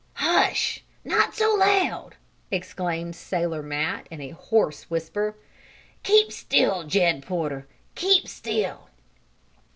"Hush! Not so loud!" exclaimed Sailor Matt, in a hoarse whisper. "Keep still, Jed Porter! Keep still!"